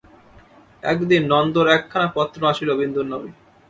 একদিন নন্দর একখানা পত্র আসিল বিন্দুর নামে।